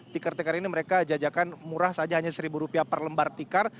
tikar tikar ini mereka jajakan murah saja hanya seribu rupiah per lembar tikar